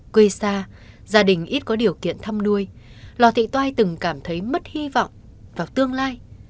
quê xa gia đình ít có điều kiện thăm nuôi lò thị toai từng cảm thấy mất hy vọng vào tương lai